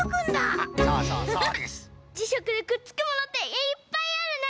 じしゃくでくっつくものっていっぱいあるね！